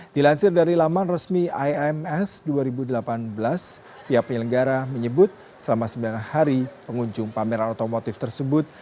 dilansir dari laman resmi ims dua ribu delapan belas pihak penyelenggara menyebut selama sembilan hari pengunjung pameran otomotif tersebut